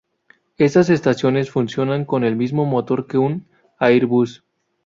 Estas estaciones funcionan con el mismo motor que un Airbus.